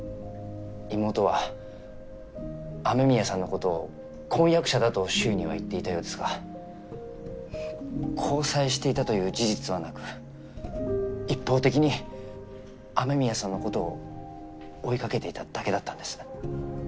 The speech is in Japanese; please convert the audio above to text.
妹は雨宮さんの事を婚約者だと周囲には言っていたようですが交際していたという事実はなく一方的に雨宮さんの事を追いかけていただけだったんです。